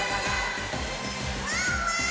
ワンワーン！